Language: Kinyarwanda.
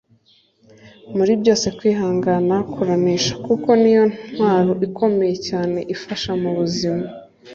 Muri byose kwihangana kuranesha kuko niyo ntwaro ikomeye cyane ifasha mubuzima